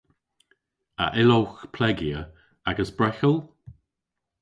A yllowgh plegya agas breghel?